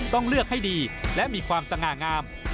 ต้องเลือกให้ดีและมีความสง่างาม